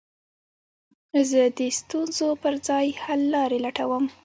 زه د ستونزو پر ځای، حللاري لټوم.